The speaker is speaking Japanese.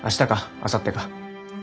あさってか？